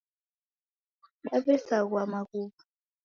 Daw'esaghua maghuw'a